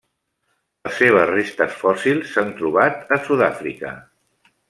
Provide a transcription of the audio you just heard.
Les seves restes fòssils s'han trobat a Sud-àfrica.